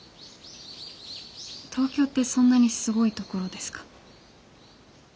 東京ってそんなにすごい所ですか？